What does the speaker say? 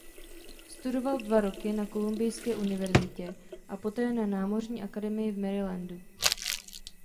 Studoval dva roky na Kolumbijské univerzitě a poté na Námořní akademii v Marylandu.